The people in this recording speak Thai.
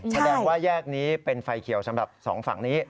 แสดงว่าแยกนี้เป็นไฟเขียวสำหรับสองฝั่งนี้